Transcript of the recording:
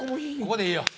ここでいいよ。